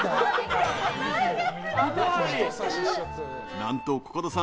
何とコカドさん